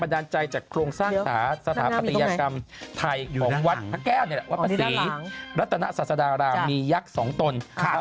พี่เมียวตอนเล่นนวดดีดาอีกแล้ว